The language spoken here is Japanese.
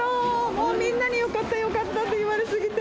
もうみんなによかったよかったって言われ過ぎて。